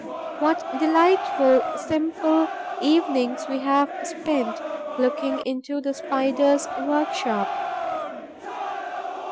What delightful, simple evenings we have spent looking into the Spider's workshop!